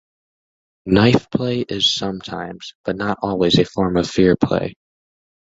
Knife play is sometimes, but not always, a form of fear play.